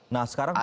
nah sekarang pak